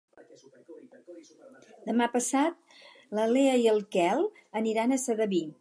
Demà passat na Lea i en Quel aniran a Sedaví.